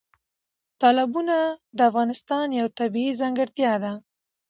تالابونه د افغانستان یوه طبیعي ځانګړتیا ده.